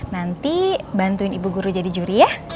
nanti bantuin ibu guru jadi juri ya